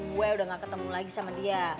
gue udah gak ketemu lagi sama dia